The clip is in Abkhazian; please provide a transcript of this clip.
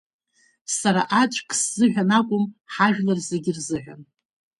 Сара аӡәк сзыҳәан акәым, ҳажәлар зегьы рзыҳәан.